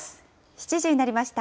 ７時になりました。